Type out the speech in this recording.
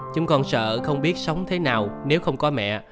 chúng còn sợ không biết sống thế nào nếu không có mẹ